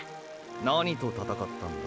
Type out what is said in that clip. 何と闘ったんだ？